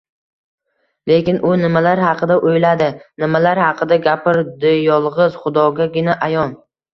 Lekin u nimalar haqida oʻyladi, nimalar haqida gapirdiyolgʻiz Xudogagina ayon